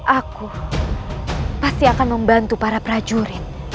aku pasti akan membantu para prajurit